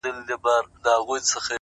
كلي كي ملا سومه ،چي ستا سومه،